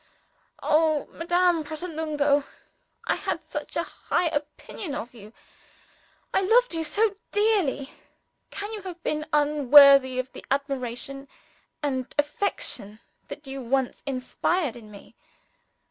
Oh, Madame Pratolungo! I had such a high opinion of you, I loved you so dearly can you have been unworthy of the admiration and affection that you once inspired in me?